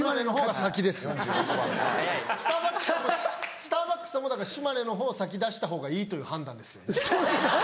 スターバックスもだから島根のほう先出したほうがいいという判断ですよね。